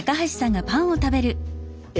え？